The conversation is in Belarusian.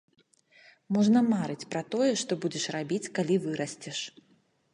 Можна марыць пра тое, што будзеш рабіць, калі вырасцеш.